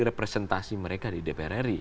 representasi mereka di dprri